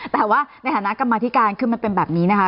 แต่ว่าในฐานะกรรมธิการคือมันเป็นแบบนี้นะคะ